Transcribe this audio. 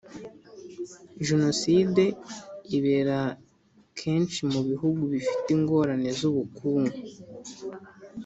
Jenoside ibera kenshi mu bihugu bifite ingorane z ubukungu